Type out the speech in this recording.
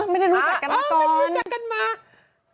ไม่ได้รู้จักกันมาก่อน